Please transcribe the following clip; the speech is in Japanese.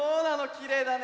きれいだね。